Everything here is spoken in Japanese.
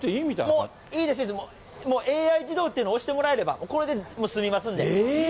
いいです、もうＡＩ自動っていうのを押してもらえれば、これでもう済みますんで。